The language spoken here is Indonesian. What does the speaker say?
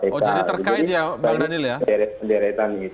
oh jadi terkait ya pak daniel ya